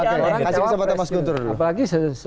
orang jawab pres